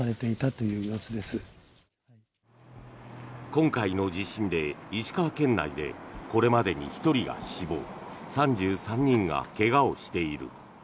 今回の地震で石川県内でこれまでに１人が死亡３３人が怪我をしている。